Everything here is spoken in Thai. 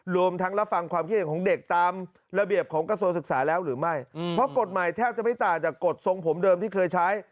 รวมทั้งรับฟังความคิดเห็นของเด็กตามระเบียบของกระทรวงศึกษาแล้วหรือไม่เพราะกฎหมายแทบจะไม่ต่างจากกฎทรงผมเดิมที่เคยใช้